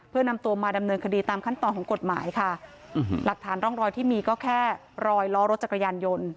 เพื่อนำตัวมาดำเนินคดีตามขั้นตอนของกฎหมายค่ะหลักฐานร่องรอยที่มีก็แค่รอยล้อรถจักรยานยนต์